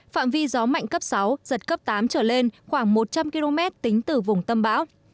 phạm vi gió mạnh cấp sáu giật cấp tám trở lên khoảng một trăm linh km tính từ vùng tâm bão